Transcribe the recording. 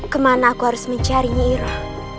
kemana aku harus mencari nyi iroh